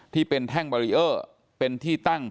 ที่เป็นแท่งบารีเออร์เป็นที่ตั้ง